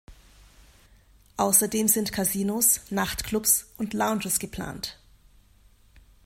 Außerdem sind Casinos, Nachtclubs und Lounges geplant.